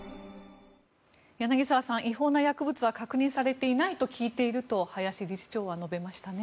柳澤さん、違法な薬物は確認されていないと聞いていると林理事長は述べましたね。